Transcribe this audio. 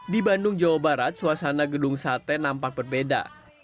di bandung jawa barat suasana gedung sate nampak berbeda